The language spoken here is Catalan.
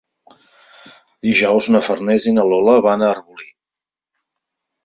Dijous na Farners i na Lola van a Arbolí.